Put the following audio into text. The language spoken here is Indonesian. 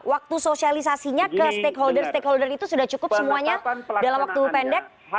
waktu sosialisasinya ke stakeholder stakeholder itu sudah cukup semuanya dalam waktu pendek